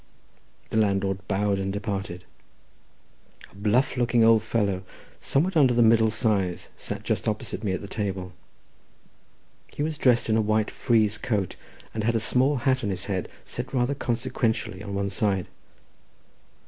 The landlord bowed and departed. A bluff looking old fellow, somewhat under the middle size, sat just opposite to me at the table. He was dressed in a white frieze coat, and had a small hat on his head, set rather consequentially on one side.